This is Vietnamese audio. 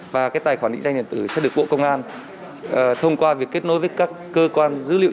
và tài khoản định danh điện tử sẽ được bộ công an thông qua việc kết nối với các cơ quan dữ liệu